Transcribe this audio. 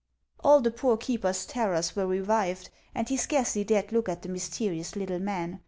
All the poor keeper's terrors were revived, and lie scarcely dared look at the mysterious little man.